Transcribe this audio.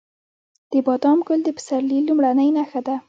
د بادام ګل د پسرلي لومړنی نښه ده.